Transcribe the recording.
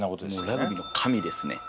ラグビーの神ですね。